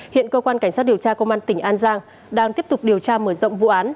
hiện cơ quan cảnh sát điều tra công an tỉnh an giang đang tiếp tục điều tra mở rộng vụ án